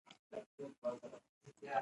تنور د ماشومانو له خوښۍ ډک دی